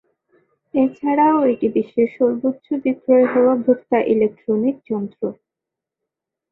এছাড়াও এটি বিশ্বের সর্বোচ্চ বিক্রয় হওয়া ভোক্তা ইলেক্ট্রনিক যন্ত্র।